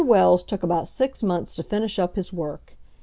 Wells took about six months to finish up his work.